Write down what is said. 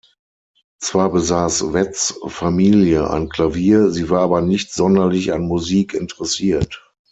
Zwar besaß Wetz' Familie ein Klavier, sie war aber nicht sonderlich an Musik interessiert.